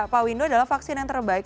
pak windu adalah vaksin yang terbaik